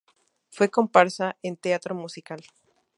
Fue comparsa en teatro musical.